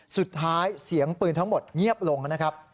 เสียงปืนทั้งหมดเงียบลงนะครับ